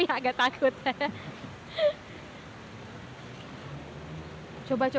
padahal ini ceritanya kan barang barang ya